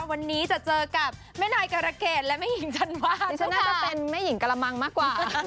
วันนี้จะเจอกับแม่นายกรเกษและแม่หญิงธันวาดิฉันน่าจะเป็นแม่หญิงกระมังมากกว่า